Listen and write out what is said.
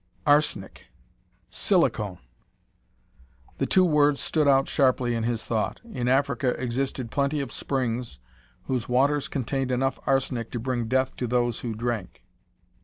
Arsenic! Silicon! The two words stood out sharply in his thought. In Africa existed plenty of springs whose waters contained enough arsenic to bring death to those who drank.